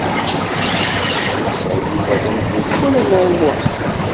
Ur yesɛi Yuba tanfult wala Naɛima u Ḥsen.